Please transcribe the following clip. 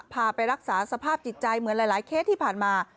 พาไปรักษาสภาพจิตใจเหมือนหลายเคสที่ผ่านมา